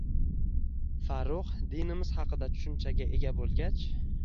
Farrux dinimiz haqida tushunchaga ega bo‘lgach